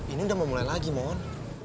ini udah mau mulai lagi mon